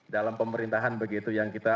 dalam pemerintahan begitu yang kita